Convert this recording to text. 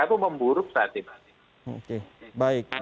itu memburuk saat ini